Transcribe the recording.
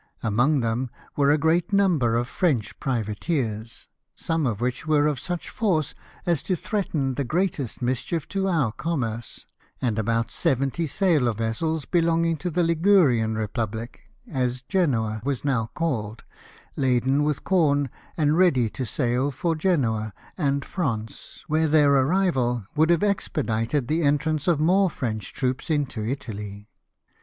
Among them were a gTeat number of French privateers, some of which were of such force as to threaten the greatest mischief to our commerce, and about seventy sail of vessels belonging to the Ligurian Republic, as Genoa was now called, laden with corn, and ready to sail for Genoa and France^ where their arrival would have expedited the entrance of more French troops into Italy.